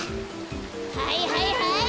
はいはいはい！